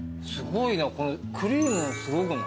このクリームすごくない？